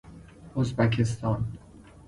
ازبکستان